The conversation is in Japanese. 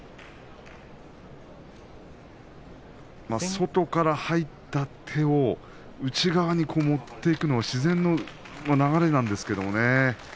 外から入った手を内側に持っていくのが自然の流れなんですが。